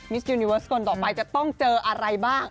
สยูนิเวิร์สคนต่อไปจะต้องเจออะไรบ้าง